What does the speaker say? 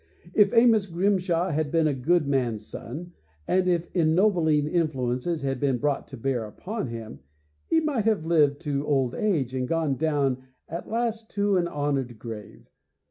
If Amos Grimshaw had been a good man's son, and if ennobling influences had been brought to bear upon him, he might have lived to old age and gone down at last to an honored grave.